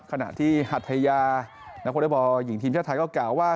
ขณะที่หัทยานครบริบอลหญิงทีมชาติก็กล่าวว่า